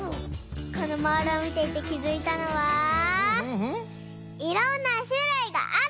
このモールをみていてきづいたのは「いろんなしゅるいがある！」